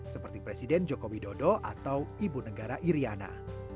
seperti presiden jokowi dodo atau ibu negara iriana